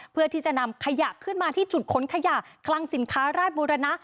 เพื่อที่จะนำขยะขึ้นมาที่จุดขนขยะคลังสินค้าราชบุรณะ